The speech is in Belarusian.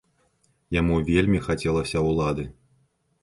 Яму вельмі хацелася ўлады.